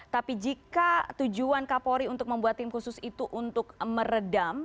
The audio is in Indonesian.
tapi jika tujuan kapolri untuk membuat tim khusus itu untuk meredam